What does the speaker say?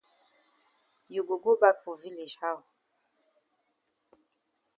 You go go bak for village how?